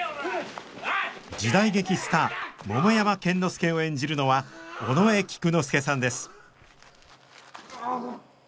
時代劇スター桃山剣之介を演じるのは尾上菊之助さんです